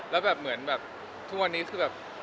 แล้วแบบเหมือนแบบทุกวันนี้คือแบบ